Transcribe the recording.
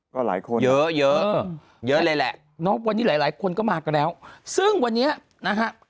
ก็หลายคนเยอะเยอะเลยแหละเนาะวันนี้หลายหลายคนก็มากันแล้วซึ่งวันนี้นะฮะ